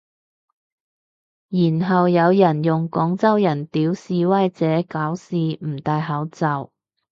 然後有人用廣州人屌示威者搞事唔戴口罩